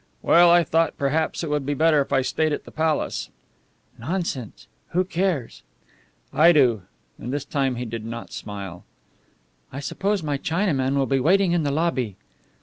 "Well, I thought perhaps it would be better if I stayed at the Palace." "Nonsense! Who cares?" "I do." And this time he did not smile. "I suppose my Chinaman will be waiting in the lobby."